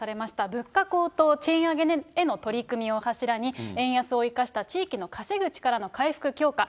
物価高騰、賃上げへの取り組みを柱に、円安を生かした地域の稼ぐ力の回復・強化。